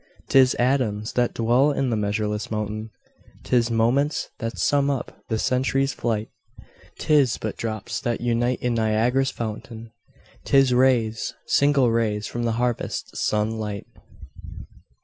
'Tis atoms that dwell in the measureless mountain, 'Tis moments that sum up the century's flight; 'Tis but drops that unite in Niagara's fountain, 'Tis rays, single rays, from the harvest sun light.